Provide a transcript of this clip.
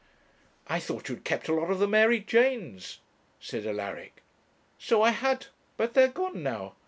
'I thought you'd kept a lot of the Mary Janes,' said Alaric. 'So I had, but they're gone now.